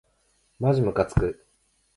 まじむかつく